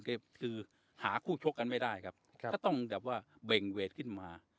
ก็คือหาคู่ชกกันไม่ได้ครับก็ต้องแบบว่าเบ่งเวทขึ้นมา